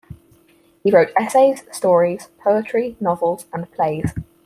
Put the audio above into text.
He wrote essays, stories, poetry, novels and plays.